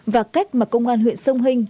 và cách mà công an huyện sông hinh